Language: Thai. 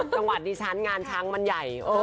จังหวัดดีชั้นงานช้างมันใหญ่